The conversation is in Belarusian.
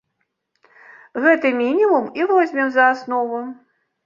Гэты мінімум і возьмем за аснову.